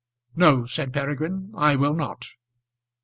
"No," said Peregrine, "I will not."